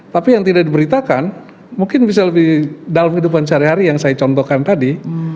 tapi yang tidak diberitakan mungkin bisa lebih dalam kehidupan sehari hari yang saya contohkan tadi